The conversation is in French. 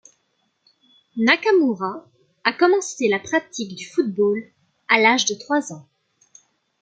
Nakamura a commencé la pratique du football à l'âge de trois ans.